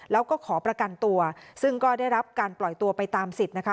แล้วก็ขอประกันตัวซึ่งก็ได้รับการปล่อยตัวไปตามสิทธิ์นะคะ